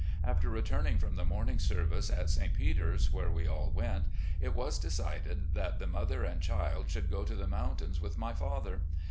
After retiuning from the morning service at St. Peter's, where we all went, it was decided that the mother and child should go to the mountains with my father.